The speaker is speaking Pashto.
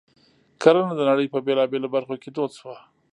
کرنه د نړۍ په بېلابېلو برخو کې دود شوه.